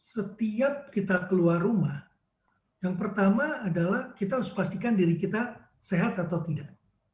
setiap kita keluar rumah yang pertama adalah kita harus pastikan diri kita sehat atau tidak